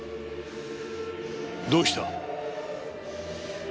どうした？